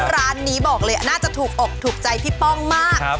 ร้านนี้บอกเลยน่าจะถูกอกถูกใจพี่ป้องมาก